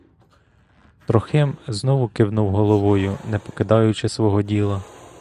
Трохим знову кивнув головою, не покидаючи свого діла.